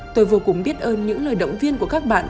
tôi vô cùng biết ơn những lời động viên của các bạn